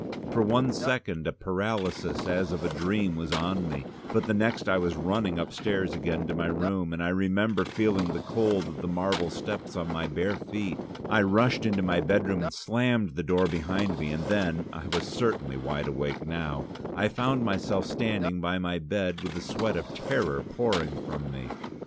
For one second a paralysis as of a dream was on me, but the next I was running upstairs again to my room, and I remember feeling the cold of the marble steps on my bare feet. I rushed into my bedroom, and slammed the door behind me, and then I was certainly wide awake now I found myself standing by my bed with the sweat of terror pouring from me.